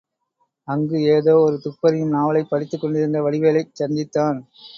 அங்கு ஏதோ ஒரு துப்பறியும் நாவலைப் படித்துக் கொண்டிருந்த வடிவேலைச் சந்தித்தான்.